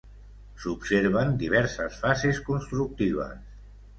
S'observen diverses fases constructives.